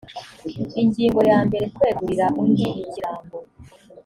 ingingo ya mbere kwegurira undi ikirango